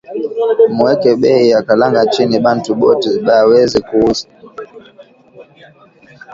Mu weke beyi ya kalanga chini bantu bote ba weze ku uza